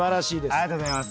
ありがとうございます。